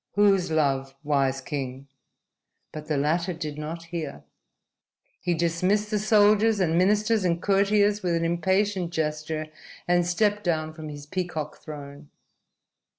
"Whose love, wise king?" But the latter did not hear. He dismissed the soldiers and ministers and courtiers with an impatient gesture, and stepped down from his peacock throne.